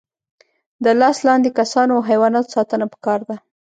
د لاس لاندې کسانو او حیواناتو ساتنه پکار ده.